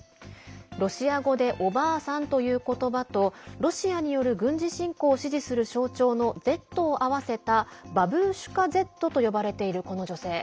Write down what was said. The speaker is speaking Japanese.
ロシア語でおばあさんということばとロシアによる軍事侵攻を支持する象徴のＺを合わせたバブーシュカＺと呼ばれているこの女性。